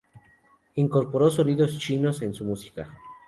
Incorporó sonidos chinos en su música.